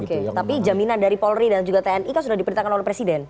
oke tapi jaminan dari polri dan juga tni kan sudah diperintahkan oleh presiden